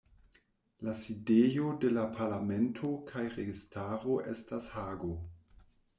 La sidejo de la parlamento kaj registaro estas Hago.